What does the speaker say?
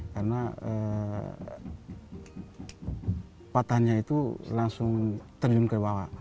karena patahannya itu langsung terjun ke bawah